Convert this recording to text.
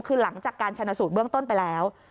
คือหลังจากการชนะสูตรเบื้องต้นไปแล้ว